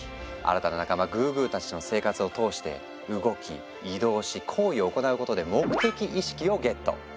新たな仲間グーグーたちとの生活を通して動き移動し行為を行うことで「目的意識」をゲット！